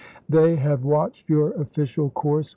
" They have watched your official course